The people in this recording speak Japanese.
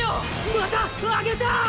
また上げた！？